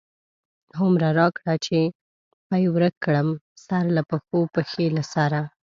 هومره راکړه چی پی ورک کړم، سر له پښو، پښی له سره